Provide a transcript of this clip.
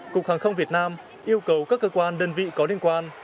nội bài việt nam yêu cầu các cơ quan đơn vị có liên quan